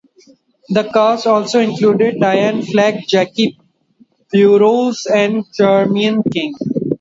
The cast also included Diane Flacks, Jackie Burroughs, and Charmion King.